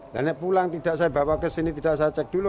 dan naik pulang saya bawa ke sini tidak saya cek dulu